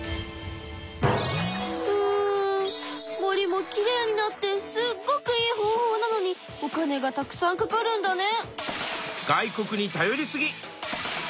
うん森もきれいになってすっごくいい方法なのにお金がたくさんかかるんだね。